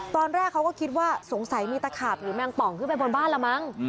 ตอนแรกเขาก็คิดว่าสงสัยมีตะขาบหรือแมงป่องขึ้นไปบนบ้านละมั้ง